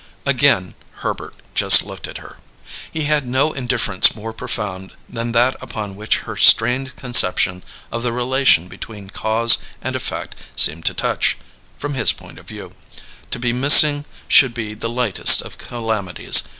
Again Herbert just looked at her. He had no indifference more profound than that upon which her strained conception of the relation between cause and effect seemed to touch; from his point of view, to be missing should be the lightest of calamities.